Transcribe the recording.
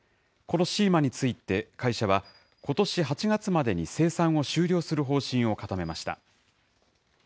このシーマについて、会社はことし８月までに生産を終了する方針を固めました。